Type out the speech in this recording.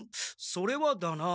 それはだな。